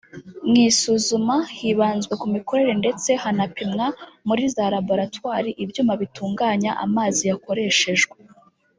Mu isuzuma hibanzwe ku mikorere ndetse hanapimwa muri za laboratwari ibyuma bitunganya amazi yakoreshejwe